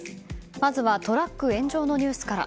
まずはトラック炎上のニュースから。